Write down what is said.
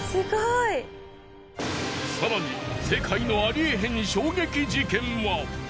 更に世界のありえへん衝撃事件は。